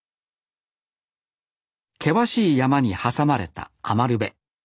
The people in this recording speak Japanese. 険しい山に挟まれた余部。